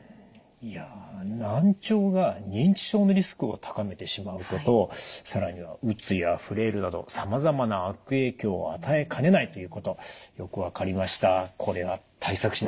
いや難聴が認知症のリスクを高めてしまうこと更にはうつやフレイルなどさまざまな悪影響を与えかねないということよく分かりました。